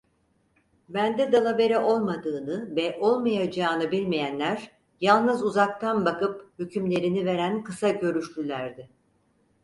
Bende dalavere olmadığını ve olmayacağını bilmeyenler yalnız uzaktan bakıp hükümlerini veren kısa görüşlülerdi…